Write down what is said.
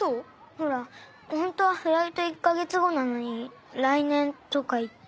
ほらホントはフライト１か月後なのに来年とか言って。